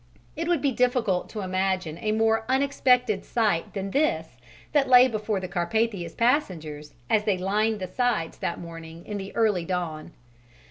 It would be difficult to imagine a more unexpected sight than this that lay before the Carpathia's passengers as they lined the sides that morning in the early dawn.